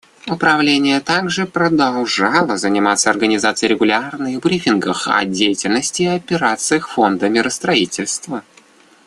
Управление также продолжало заниматься организацией регулярных брифингов о деятельности и операциях Фонда миростроительства.